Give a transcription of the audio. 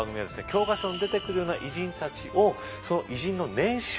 教科書に出てくるような偉人たちをその偉人の年収